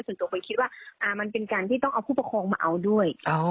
ส่วนตัวไปคิดว่ามันเป็นการที่ต้องเอาผู้ปกครองมาเอาด้วย